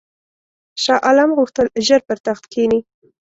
شاه عالم غوښتل ژر پر تخت کښېني.